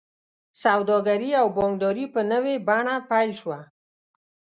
سوداګري او بانکداري په نوې بڼه پیل شوه.